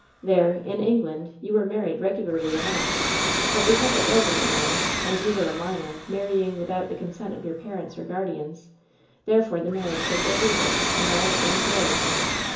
There, in England, you were married regularly enough ; but because it was in England, and you were a minor marrying without the consent of your parents or guardians, therefore the marriage was illegal, null and void.'